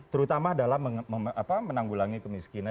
terutama dalam menanggulangi kemiskinan